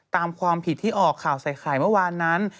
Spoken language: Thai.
ตามความผิดที่ออกข่าวใส่ไข่เมื่อวานนั้น